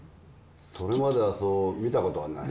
それまでは見たことがない？